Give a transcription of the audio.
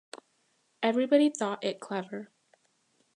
Everybody thought it clever.